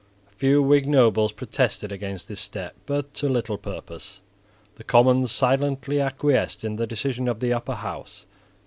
A few Whig nobles protested against this step, but to little purpose. The Commons silently acquiesced in the decision of the Upper House.